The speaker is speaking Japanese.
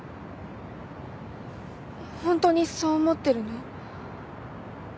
ホントにそう思ってるの？